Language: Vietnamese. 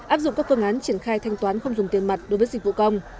áp dụng các phương án triển khai thanh toán không dùng tiền mặt đối với dịch vụ công